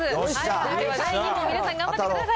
それでは第２問、皆さん、頑張ってください。